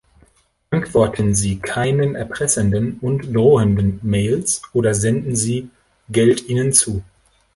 Antworten Sie keinen erpressenden und drohenden Mails oder senden Sie Geld ihnen zu.